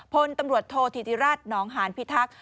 พลตำรวจโทษธิติรัฐหนองหานพิทักษ์